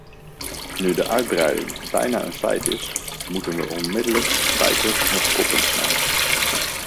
Nu de uitbreiding bijna een feit is, moeten we onmiddellijk spijkers met koppen slaan.